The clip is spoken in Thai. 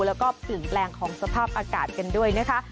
แล้วก็สิ่งแรงของสภาพอากาศกันด้วยนะคะ